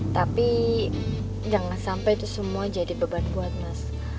tapi jangan sampai itu semua jadi beban buat mas